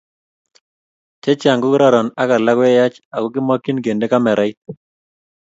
chechang ko kororon ak alak koyach ako kimakchin kende kamerait